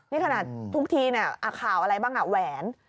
นี่ขนาดทุกทีข่าวอะไรบ้างแหวน